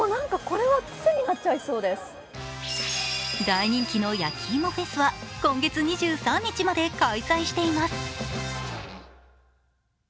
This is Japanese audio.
大人気のやきいもフェスは今月２３日まで開催しています。